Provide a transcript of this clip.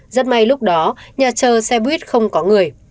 rất may lúc đó nhà chờ xe buýt không có người